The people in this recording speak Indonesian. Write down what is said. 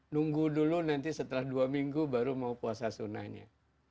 nunggu dulu nanti setelah dua minggu baru mau puasa sunnahnya